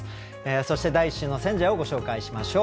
そして第１週の選者をご紹介しましょう。